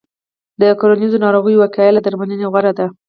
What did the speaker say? د کرنیزو ناروغیو وقایه له درملنې غوره ده.